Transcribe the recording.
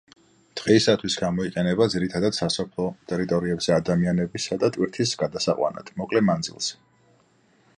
დღეისათვის გამოიყენება ძირითადად სასოფლო ტერიტორიებზე ადამიანებისა და ტვირთის გადასაყვანად მოკლე მანძილზე.